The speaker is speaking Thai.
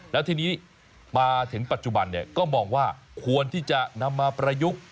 แล้วทีนี้มาถึงปัจจุบันก็มองว่าควรที่จะนำมาประยุกต์